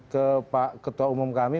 ke ketua umum kami